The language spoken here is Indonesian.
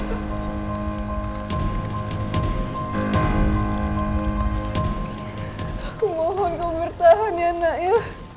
aku mohon kamu bertahan ya anaknya